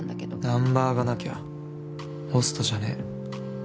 ナンバーがなきゃホストじゃねぇ。